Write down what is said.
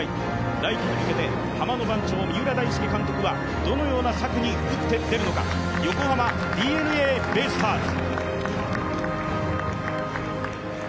来季に向けてハマの番長・三浦大輔はどのような策に打って出るのか横浜ＤｅＮＡベイスターズ。